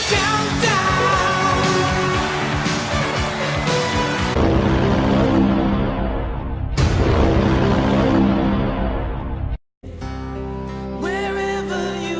จะไปแบบนี้